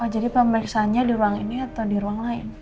jadi pemeriksaannya di ruang ini atau di ruang lain